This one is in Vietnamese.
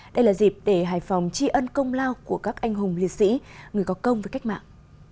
đây là dịp để hải phòng tri ân công lao của các anh hùng liệt sĩ người có công với cách mạng